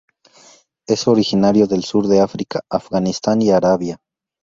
Es originario del sur de África, Afganistán y Arabia.